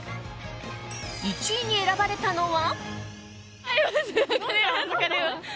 １位に選ばれたのは。